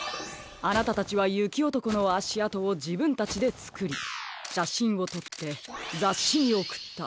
あなたたちはゆきおとこのあしあとをじぶんたちでつくりしゃしんをとってざっしにおくった。